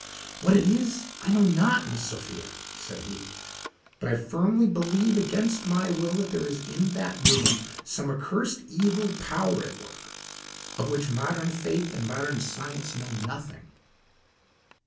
"What it is I know not, Miss Sophia," said he, "but I firmly believe, against my will, that there is in that room some accursed evil power at work, of which modern faith and modern science know nothing."